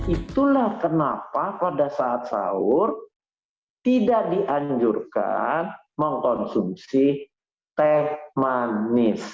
itulah kenapa pada saat sahur tidak dianjurkan mengkonsumsi teh manis